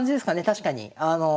確かに。